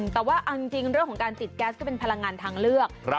แต่ว่าเอาจริงเรื่องของการติดแก๊สก็เป็นพลังงานทางเลือก